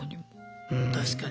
確かに。